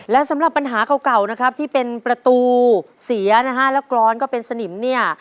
และสำหรับปัญหาเก่านะครับที่เป็นประตูเสียนะฮะแล้วกรอนก็เป็นสนิมเนี่ย